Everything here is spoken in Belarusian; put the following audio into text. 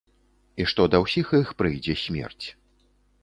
І што да ўсіх іх прыйдзе смерць.